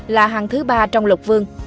là hàng thứ ba trong lục vương